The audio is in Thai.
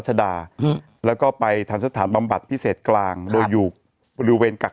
ชดาอืมแล้วก็ไปทันสถานบำบัดพิเศษกลางโดยอยู่บริเวณกัก